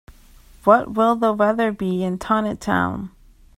What will the weather be in Tontitown?